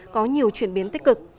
có nhiều chuyển biến tích cực